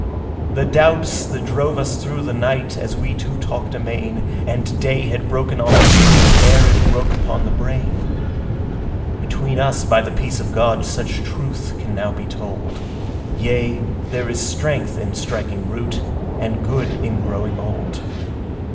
The doubts that drove us through the night as we two talked amain, And day had broken on the streets e'er it broke upon the brain. Between us, by the peace of God, such truth can now be told; Yea, there is strength in striking root and good in growing old.